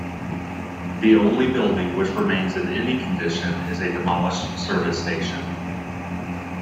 The only building which remains in any condition is a demolished service station.